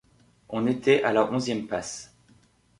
On était à la onzième passe.